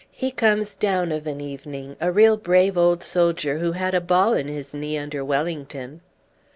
He comes down of an evening, a real brave old soldier who had a ball in his knee under Wellington."